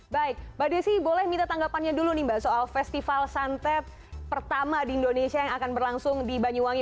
baik mbak desi boleh minta tanggapannya dulu nih mbak soal festival santet pertama di indonesia yang akan berlangsung di banyuwangi